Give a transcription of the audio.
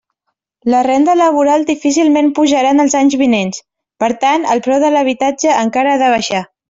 La renda laboral difícilment pujarà en els anys vinents; per tant, el preu de l'habitatge encara ha de baixar.